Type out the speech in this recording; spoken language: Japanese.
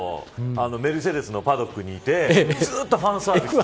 メルセデスのパドックにいてずっとファーサービス。